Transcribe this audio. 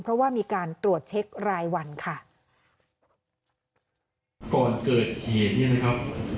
เพราะว่ามีการตรวจเช็ครายวันค่ะ